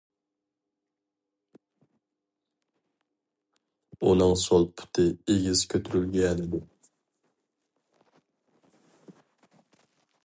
ئۇنىڭ سول پۇتى ئېگىز كۆتۈرۈلگەنىدى.